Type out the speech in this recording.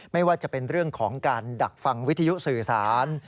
ไม่ว่าจะเป็นเรื่องของการดักฟังวิทยุสื่อสาร